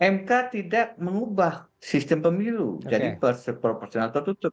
mk tidak mengubah sistem pemilu jadi proporsional tertutup